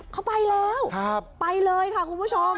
เขาไปแล้วไปเลยค่ะคุณผู้ชม